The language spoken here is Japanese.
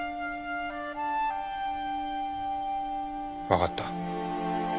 分かった。